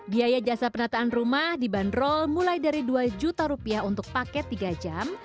biaya jasa penataan rumah dibanderol mulai dari dua juta rupiah untuk paket tiga jam